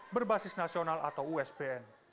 berbasis nasional atau usbn